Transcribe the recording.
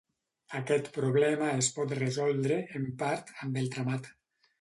Aquest problema es pot resoldre, en part, amb el tramat.